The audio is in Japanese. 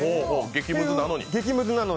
激ムズなのに。